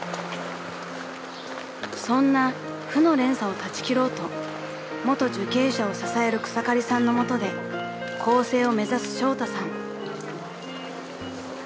［そんな負の連鎖を断ち切ろうと元受刑者を支える草刈さんの下で更生を目指すショウタさん］